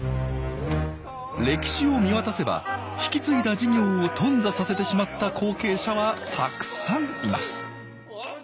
歴史を見渡せば引き継いだ事業を頓挫させてしまった後継者はたくさんいます。